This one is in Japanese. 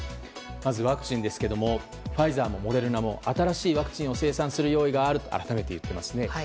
まずワクチンですがファイザーもモデルナも新しいワクチンを生産する用意があると改めて言っていますね。